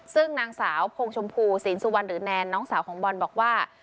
ซึ่งนางสาวพงชมพูศีลสุวรรณหรือแนนน้องสาวของบอลบอกว่า